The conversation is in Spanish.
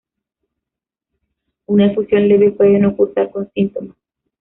Una efusión leve puede no cursar con síntomas.